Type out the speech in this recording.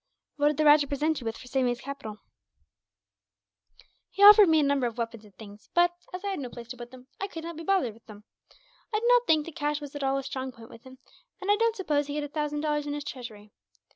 "What did the rajah present you with for saving his capital?" "He offered me a number of weapons and things but, as I had no place to put them in, I could not be bothered with them. I do not think that cash was at all a strong point with him, and I don't suppose he had a thousand dollars in his treasury.